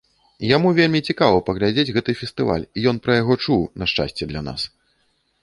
Яму вельмі цікава паглядзець гэты фестываль, ён пра яго чуў, на шчасце для нас.